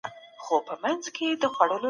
کمپيوټر له سرور سره وصليږي.